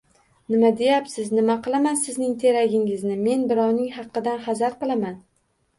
Nima deyapsiz?! Nima qilaman sizning teragingizni. Men birovning haqqidan hazar qilaman.